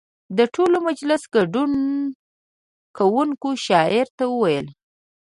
د ټول مجلس ګډون کوونکو شاعر ته وویل.